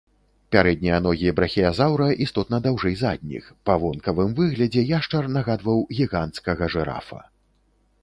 Пярэднія ногі брахіязаўра істотна даўжэй задніх, па вонкавым выглядзе яшчар нагадваў гіганцкага жырафа.